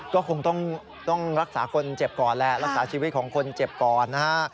ก็คงต้องรักษาคนเจ็บก่อนแหละรักษาชีวิตของคนเจ็บก่อนนะฮะ